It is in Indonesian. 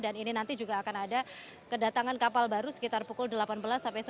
dan ini nanti juga akan ada kedatangan kapal baru sekitar pukul delapan belas sampai sembilan belas